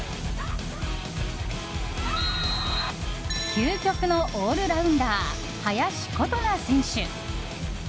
究極のオールラウンダー林琴奈選手。